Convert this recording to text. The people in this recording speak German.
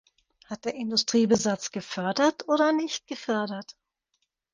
Hat er Industriebesatz gefördert oder nicht gefördert?